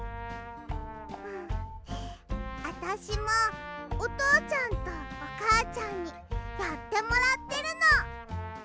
あたしもおとうちゃんとおかあちゃんにやってもらってるの。